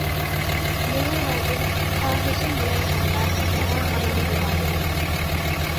مېڭىۋەردىم خاھىشىم بىلەن، ھەمراھ ماڭا ئانام دۇئاسى.